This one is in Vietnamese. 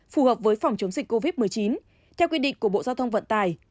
phù hợp với phòng chống dịch covid một mươi chín theo quy định của bộ giao thông vận tải